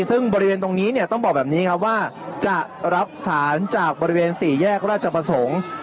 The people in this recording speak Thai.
ซึ่งบริเวณตรงนี้เนี่ยต้องบอกแบบนี้ครับว่าจะรับสารจากบริเวณสี่แยกราชประสงค์